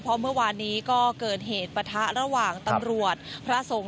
เพราะเมื่อวานนี้ก็เกิดเหตุปะทะระหว่างตำรวจพระสงฆ์